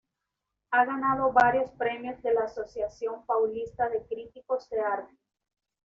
Ha ganado varios premios de la Asociación Paulista de Críticos de Arte.